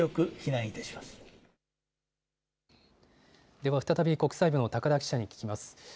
では再び国際部の高田記者に聞きます。